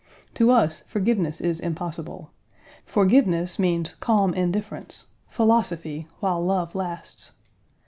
To us forgiveness is impossible. Forgiveness means calm indifference; philosophy, while love lasts.